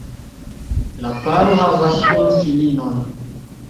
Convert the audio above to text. La paro havas unu filinon.